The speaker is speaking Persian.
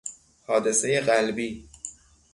حادثهی قلبی